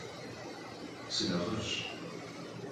Sınexhıf'ş.